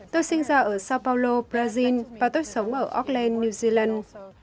tôi sinh ra ở sao paulo brazil và tôi sống ở auckland new zealand